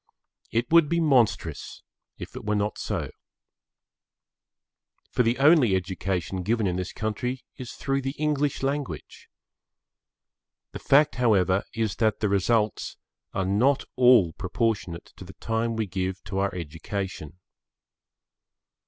It would be monstrous if it were not so. For the only education given in this country is through the English language. The fact, however, is that the results are not all proportionate to the time we give to our education.